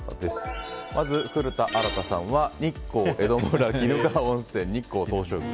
まず、古田新太さんは日光江戸村、鬼怒川温泉日光東照宮。